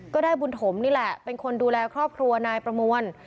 ก็ได้บุญถมนี่แหละเป็นคนดูแลครอบครัวนายประมวล